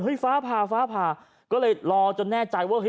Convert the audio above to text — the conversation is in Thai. ฟ้าผ่าฟ้าผ่าก็เลยรอจนแน่ใจว่าเฮ